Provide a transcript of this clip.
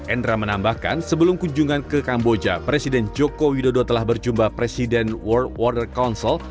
endra menambahkan sebelum kunjungan ke kamboja presiden joko widodo telah berjumpa presiden world water council